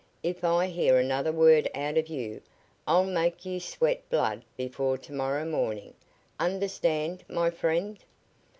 If I hear another word out of you, I'll make you sweat blood before tomorrow morning. Understand, my friend."